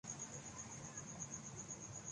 عوام کا بھلا ہو گا۔